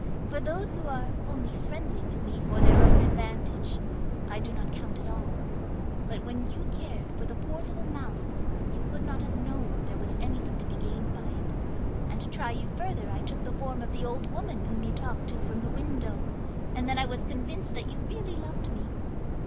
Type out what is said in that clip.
'For those who are only friendly with me for their own advantage, I do not count at all. But when you cared for the poor little mouse you could not have known there was anything to be gained by it, and to try you further I took the form of the old woman whom you talked to from the window, and then I was convinced that you really loved me.